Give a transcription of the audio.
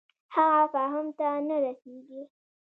هغه فهم ته نه رسېږي.